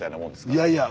いやいや。